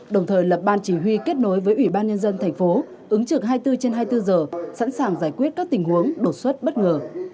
đồng thời lập ban chỉ huy kết nối với ủy ban nhân dân thành phố ứng trực hai mươi bốn trên hai mươi bốn giờ sẵn sàng giải quyết các tình huống đột xuất bất ngờ